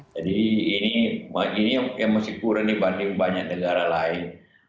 jadi ini yang masih kurang dibanding banyak negara lain